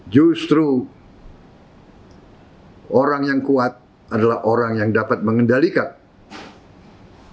justru orang yang kuat adalah orang yang dapat mengendalikan